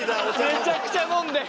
めちゃくちゃ飲んで。